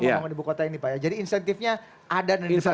dengan ibu kota ini pak ya jadi insentifnya ada dan dipermatakan